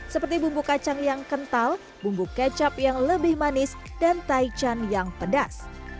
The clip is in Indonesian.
seperti bumbu kacang yang kental bumbu kecap yang lebih manis dan taichan yang pedas